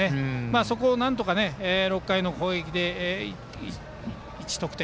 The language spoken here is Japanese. そこをなんとか６回の攻撃で１得点。